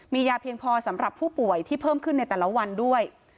มียาเพียงพอสำหรับผู้ป่วยที่เพิ่มขึ้นในแต่ละวันด้วย